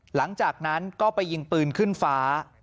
หลังจากนั้นก็ไปยิงปืนขึ้นฟ้า